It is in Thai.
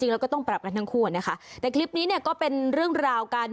ราคาผมว่าทั้งล้านอ่ะครับ